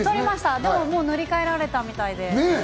でももう塗り替えられたみたいで。